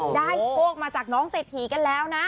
โชคมาจากน้องเศรษฐีกันแล้วนะ